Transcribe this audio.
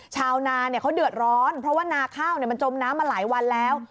ชาวนาเขาเดือดร้อนเพราะว่านาข้าวมันจมน้ำมาหลายวันแล้ว